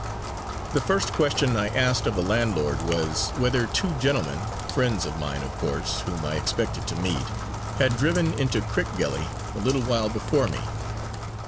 The first question I asked of the landlord was, whether two gentlemen (friends of mine, of course, whom I expected to meet) had driven into Crickgelly, a little while before me.